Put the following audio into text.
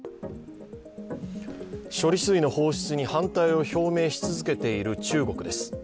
処理水の放出に反対を表明し続けている中国です。